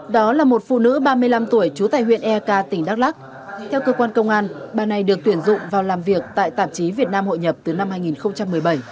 đó là một phụ nữ ba mươi năm tuổi trú tại huyện eka tỉnh đắk lắc theo cơ quan công an bà này được tuyển dụng vào làm việc tại tạp chí việt nam hội nhập từ năm hai nghìn một mươi bảy